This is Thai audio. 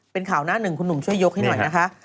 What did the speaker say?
เป็นข่าวหน้าหนึ่งคุณหนุ่มช่วยยกให้หน่อยนะคะ